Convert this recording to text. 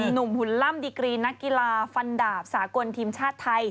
หุ่นล่ำดิกรีนักกีฬาฟันดาบสากลทีมชาติไทย